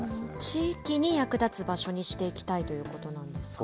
地域に役立つ場所にしていきたいということなんですよね。